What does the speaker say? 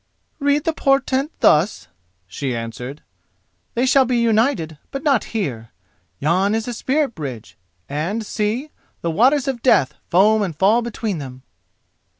"Read the portent thus," she answered: "they shall be united, but not here. Yon is a Spirit bridge, and, see: the waters of Death foam and fall between them!"